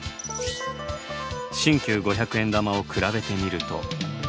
新旧五百円玉を比べてみると。